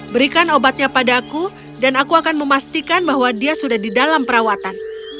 berikan obatnya padaku dan aku akan memastikan bahwa dia sudah di dalam perawatan